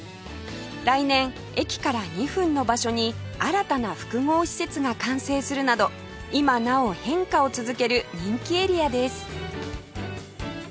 来年駅から２分の場所に新たな複合施設が完成するなど今なお変化を続ける人気エリアです